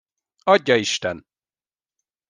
Adja isten!